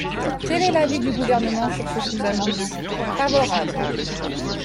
Quel est l’avis du Gouvernement sur ce sous-amendement ? Favorable.